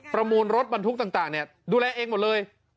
ประมูลรถบรรทุกต่างดูแลเองหมดเลย